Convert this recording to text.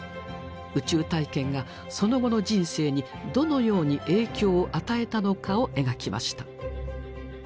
宇宙体験がその後の人生にどのように影響を与えたのかを描きました。